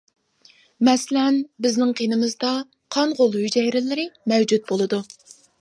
مەسىلەن بىزنىڭ قېنىمىزدا «قان غول ھۈجەيرىلىرى» مەۋجۇت بولىدۇ.